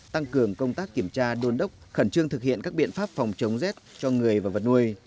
tăng cường công tác kiểm tra đôn đốc khẩn trương thực hiện các biện pháp phòng chống rét cho người và vật nuôi